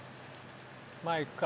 前行くか？